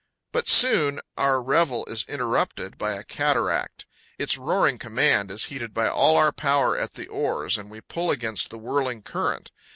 But soon our revel is interrupted by a cataract; its roaring command is heeded by all our power at the oars, and we pull against the whirling current.